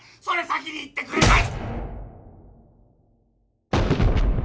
それ先に言ってくれ。